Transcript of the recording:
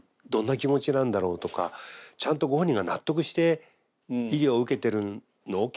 どんな気持ちなんだろうとかちゃんとご本人が納得して医療を受けてるの？